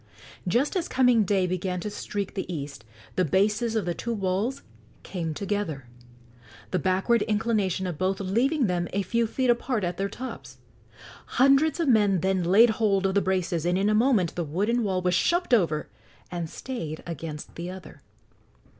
Just as coming day began to streak the east the bases of the two walls came together, the backward inclination of both leaving them a few feet apart at their tops. Hundreds of men then laid hold of the braces, and in a moment the wooden wall was shoved over and stayed against the other.